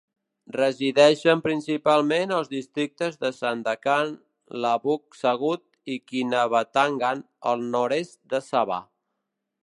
Resideixen principalment als districtes de Sandakan, Labuk-Sugut i Kinabatangan, al nord-est de Sabah.